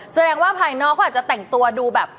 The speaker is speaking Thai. แสดงว่าภายนอกเขาอาจจะแต่งตัวดูแบบ